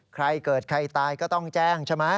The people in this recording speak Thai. ใครเกิดใครตายก็ต้องแจ้งใช่ไหม